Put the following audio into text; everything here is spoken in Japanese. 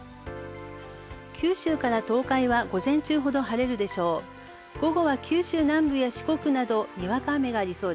九州から東海は午前中ほど晴れるでしょう。